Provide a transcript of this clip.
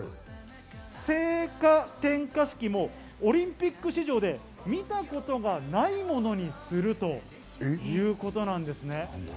聖火点火式もオリンピック史上で見たことがないものにするということなんですね。